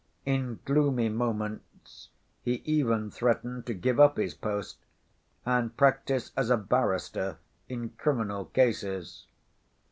In gloomy moments he even threatened to give up his post, and practice as a barrister in criminal cases.